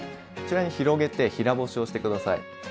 こちらに広げて平干しをして下さい。